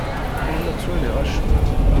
Ur la ttwaliɣ acemma!